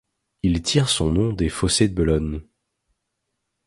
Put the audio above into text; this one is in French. Il tire son nom des fossés de Bellone.